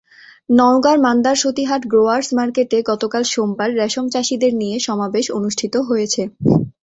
নওগাঁর মান্দার সতীহাট গ্রোয়ার্স মার্কেটে গতকাল সোমবার রেশমচাষিদের নিয়ে সমাবেশ অনুষ্ঠিত হয়েছে।